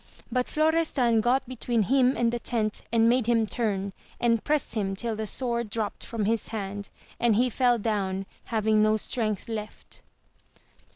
But Florestan got between him and the tent and made him turn, and prest him till the sword dropt from his hand, and he fell down having no strength left.